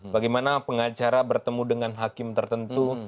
bagaimana pengacara bertemu dengan hakim tertentu